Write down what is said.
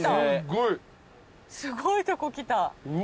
すごいとこ来た。